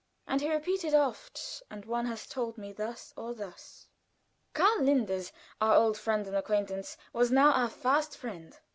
And he repeated oft 'One hath told me thus or thus.'" Karl Linders, our old acquaintance, was now our fast friend.